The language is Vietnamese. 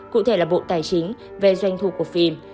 cụ thể là bộ tài chính về doanh thu của phim